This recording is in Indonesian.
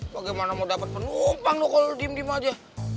bagaimana mau dapat penumpang kalau lo diem diem aja